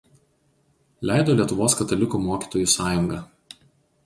Leido Lietuvos katalikų mokytojų sąjunga.